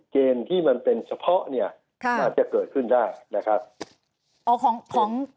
เกณฑ์ที่มันเป็นเฉพาะน่าจะเกิดขึ้นได้นะครับ